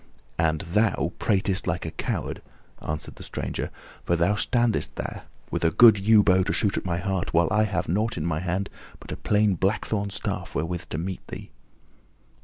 "And thou pratest like a coward," answered the stranger, "for thou standest there with a good yew bow to shoot at my heart, while I have nought in my hand but a plain blackthorn staff wherewith to meet thee."